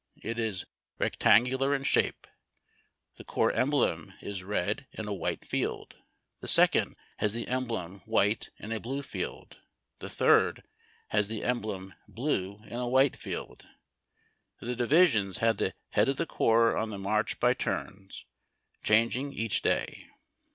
It is rectangular in shape. The corps emblem is red in a white field; the second has the emblem white in a blue field ; the third has the emblem blue in a white field. The divisions had the lead of the corps ou the march by turns, changing each day.